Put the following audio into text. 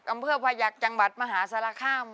อำเภอพยักษ์จังหวัดมหาสารคาม